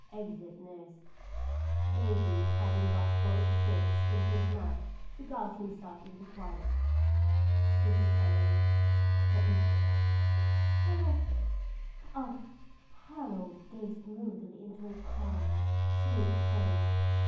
[Exit nurse. Baby having got both fists into his mouth beguiles himself into quiet. Mrs. A. Let me see! How was it? Oh! "Harold gazed moodily into her calm, sweet face.